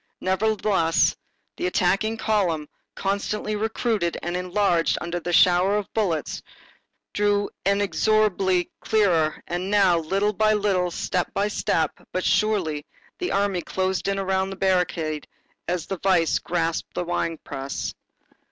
Nevertheless, the attacking column, constantly recruited and enlarged under the shower of bullets, drew inexorably nearer, and now, little by little, step by step, but surely, the army closed in around the barricade as the vice grasps the wine press.